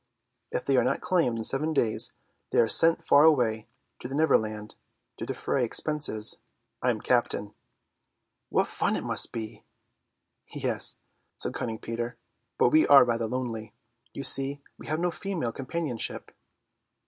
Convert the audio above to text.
If they are not claimed in seven days they are sent far away to the Neverland to defray expenses. I'm captain." "What fun it must be!" "Yes," said cunning Peter, "but we are rather lonely. You see we have no female companionship."